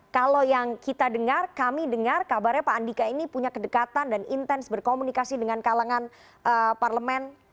kalau yang kita dengar kami dengar kabarnya pak andika ini punya kedekatan dan intens berkomunikasi dengan kalangan parlemen